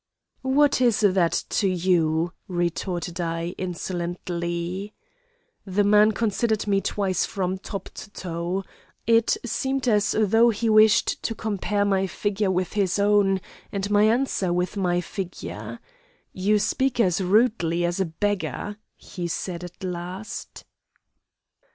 "'What is that to you?' retorted I, insolently. "The man considered me twice from top to toe. It seemed as though he wished to compare my figure with his own, and my answer with my figure. 'You speak as rudely as a beggar,' he said at last.